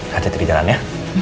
saya jatuh di jalan ya